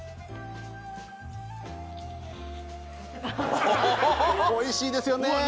ハハハおいしいですよね